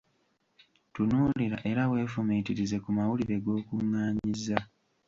Tunuulira era weefumiitirize ku mawulire g’okungaanyizza.